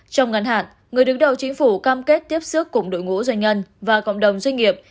chính phủ đã tiếp xước cùng đội ngũ doanh nhân và cộng đồng doanh nghiệp